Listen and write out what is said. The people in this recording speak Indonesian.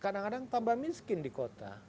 kadang kadang jadi valtiyaking and more poor in cities